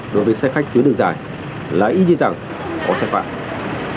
đối với xe khách tuyến đường dài là y như rằng có xe phạm